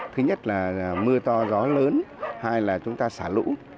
thứ nhất là mưa to gió lớn hai là chúng ta xả lũ